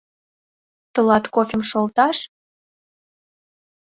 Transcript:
Тылат кофем шолташ?